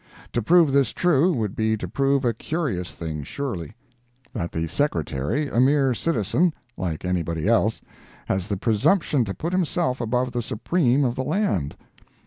To prove this true, would be to prove a curious thing surely—that the Secretary, a mere citizen, like anybody else, has the presumption to put himself above the supreme of the land!